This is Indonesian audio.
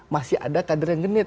masih ada kader yang genit